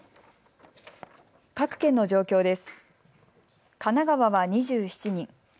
各県の状況です。